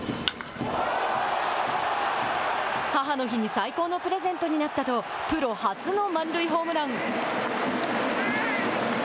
母の日に最高のプレゼントになったとプロ初の満塁ホームラン。